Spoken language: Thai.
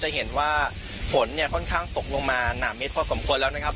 จะเห็นว่าฝนเนี่ยค่อนข้างตกลงมาหนาเมตรพอสมควรแล้วนะครับ